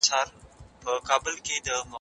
دولت له ننګونو سره مخ دی.